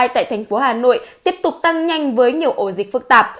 tại thành phố hà nội tiếp tục tăng nhanh với nhiều ổ dịch phức tạp